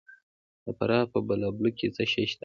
د فراه په بالابلوک کې څه شی شته؟